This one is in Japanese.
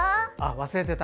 忘れてた。